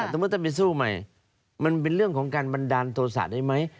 สมมุติถ้าไปสู้ใหม่มันเป็นเรื่องของการบันดาลโทษะได้ไหม